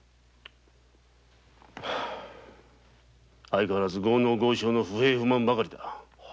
相変わらず豪農豪商の不平不満ばかりだ。